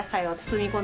はい。